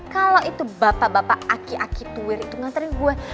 kalau itu bapak bapak aki aki tuwer itu ngaterin gue